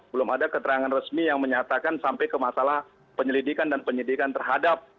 belum ada keterangan resmi yang menyatakan sampai ke masalah penyelidikan dan penyidikan terhadap